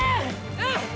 うん！！